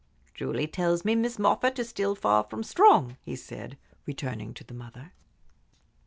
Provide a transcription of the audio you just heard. "Julie tells me Miss Moffatt is still far from strong," he said, returning to the mother.